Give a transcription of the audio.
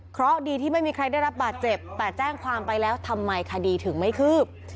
เพราะดีที่ไม่มีใครได้รับบาดเจ็บแต่แจ้งความไปแล้วทำไมคดีถึงไม่คืบ